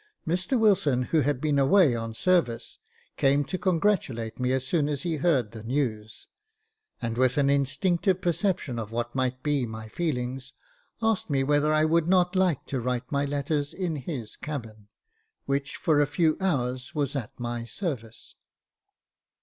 Mr "Wilson, who had been away on service, came to congratulate me as soon as he heard the news, and with an instinctive perception of what might be my feelings, asked me whether I would not like to write my letters in his cabin, which, for a few hours, was at my service.